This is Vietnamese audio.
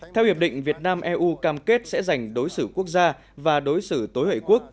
theo hiệp định việt nam eu cam kết sẽ giành đối xử quốc gia và đối xử tối hội quốc